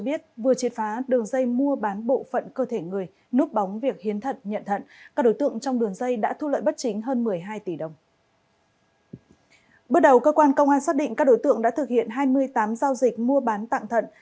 bước đầu cơ quan công an xác định các đối tượng đã thực hiện hai mươi tám giao dịch mua bán tặng thận